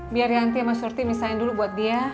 biar yanti sama surti misalnya dulu buat dia